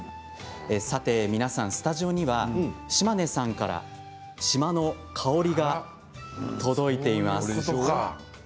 皆さん、スタジオには島根さんから島の香りが届いています。